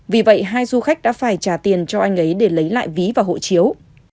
vì vậy hai du khách đã phải trả tiền cho anh ấy để lấy lại ví và hộ chiếu